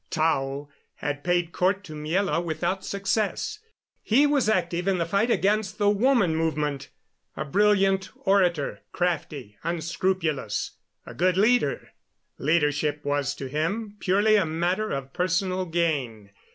Tao had paid court to Miela without success. He was active in the fight against the woman movement a brilliant orator, crafty, unscrupulous, a good leader. Leadership was to him purely a matter of personal gain.